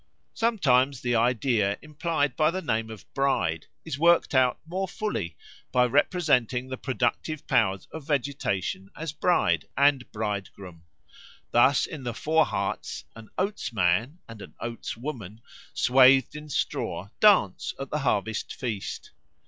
Sometimes the idea implied by the name of Bride is worked out more fully by representing the productive powers of vegetation as bride and bridegroom. Thus in the Vorharz an Oats man and an Oats woman, swathed in straw, dance at the harvest feast.